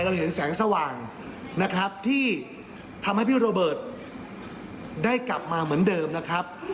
เราเห็นแสงสว่างนะครับที่ทำให้พี่โรเบิร์ตได้กลับมาเหมือนเดิมนะครับ